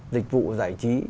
dịch vụ giải trí